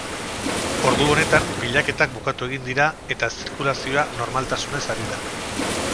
Ordu honetan, pilaketak bukatu egin dira eta zirkulazioa normaltasunez ari da.